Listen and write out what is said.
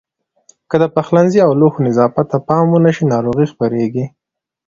که د پخلنځي او لوښو نظافت ته پام ونه شي ناروغۍ خپرېږي.